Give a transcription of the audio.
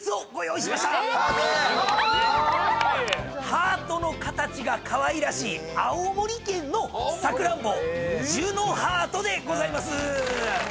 ハートの形がかわいらしい青森県のさくらんぼジュノハートでございます。